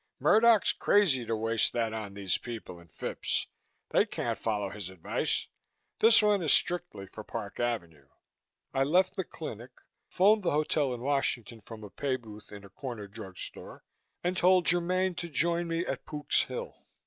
Murdoch's crazy to waste that on these people in Phipps. They can't follow his advice. This one is strictly for Park Avenue." I left the clinic, phoned the hotel in Washington from a pay booth in a corner drug store, and told Germaine to join me at Pook's Hill.